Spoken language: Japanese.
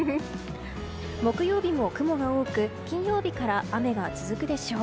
木曜日も雲が多く金曜日から雨が続くでしょう。